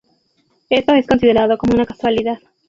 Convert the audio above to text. Esto es considerado como una casualidad.